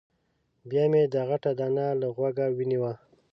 بیا مې دا غټه دانه له غوږه ونیوه.